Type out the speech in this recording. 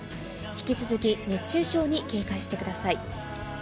引き続き熱中症に警戒してください。